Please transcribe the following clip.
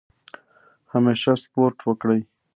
همیشه سپورټ وکړئ.